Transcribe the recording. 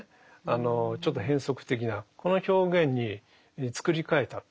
あのちょっと変則的なこの表現に作り替えた。